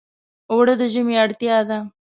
اوړه د ژمي اړتیا ده